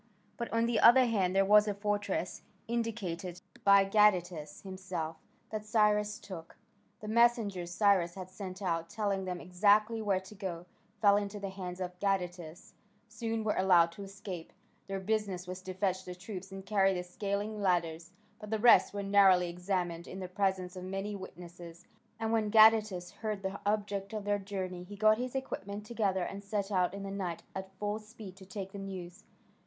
But on the other hand there was a fortress, indicated by Gadatas himself, that Cyrus took. The messengers Cyrus had sent out, telling them exactly where to go, fell into the hands of Gadatas: some were allowed to escape their business was to fetch the troops and carry the scaling ladders but the rest were narrowly examined in the presence of many witnesses, and when Gadatas heard the object of their journey he got his equipment together and set out in the night at full speed to take the news.